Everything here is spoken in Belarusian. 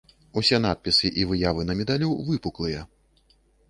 Усе надпісы і выявы на медалю выпуклыя.